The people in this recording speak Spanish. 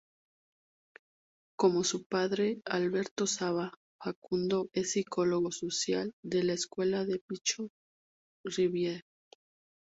Como su padre Alberto Sava, Facundo es psicólogo social, de la escuela de Pichon-Riviere.